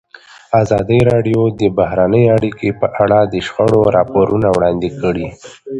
ازادي راډیو د بهرنۍ اړیکې په اړه د شخړو راپورونه وړاندې کړي.